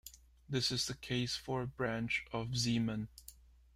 This is the case for a branch of Zeeman.